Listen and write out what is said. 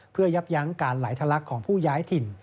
เพื่อยับยั้งการไหลทะลักของผู้ย้ายถิ่น